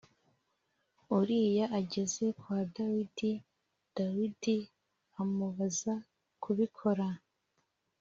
Uriya ageze kwa Dawidi Dawidi amubaza kubikora